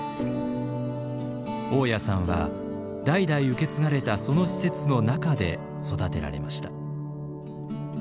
雄谷さんは代々受け継がれたその施設の中で育てられました。